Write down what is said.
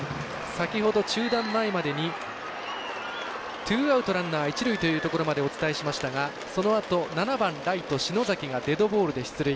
先ほど中断前までにツーアウト、ランナー一塁というところまでお伝えしましたがそのあと、７番ライト篠崎がデッドボールで出塁。